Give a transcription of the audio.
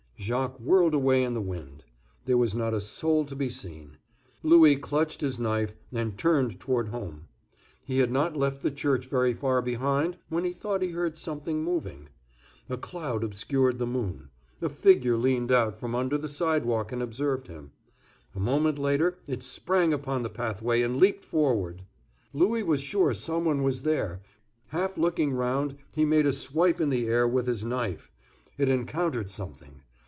Jacques whirled away in the wind. There was not a soul to be seen. Louis clutched his knife, and turned toward home. He had not left the church very far behind, when he thought he heard something moving. A cloud obscured the moon. A figure leaned out from under the sidewalk and observed him. A moment later it sprang upon the pathway and leaped forward. Louis was sure some one was there; half looking round, he made a swipe in the air with his knife. It encountered something.